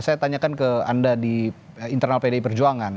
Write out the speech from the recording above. saya tanyakan ke anda di internal pdi perjuangan